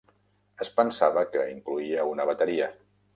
Es pensava que incloïa una bateria.